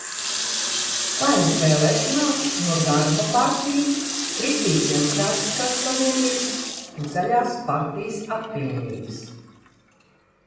Saeimas vēlēšanās no Darba partijas, Kristīgi demokrātiskās savienības un Zaļās partijas apvienības.